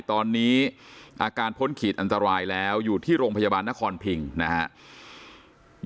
ตอนนี้อาการพ้นขีดอันตรายแล้วอยู่ที่โรงพยาบาลนครพิงนะครับ